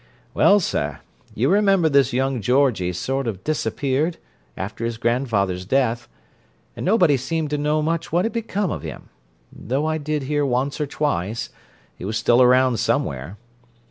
Well, sir, you remember this young Georgie sort of disappeared, after his grandfather's death, and nobody seemed to know much what had become of him—though I did hear, once or twice, that he was still around somewhere.